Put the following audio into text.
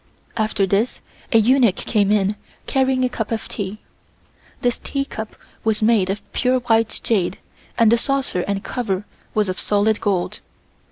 After this a eunuch came in carrying a cup of tea. This tea cup was made of pure white jade and the saucer and cover was of solid gold.